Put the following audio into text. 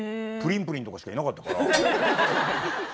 プリンプリンとかしかいなかったから。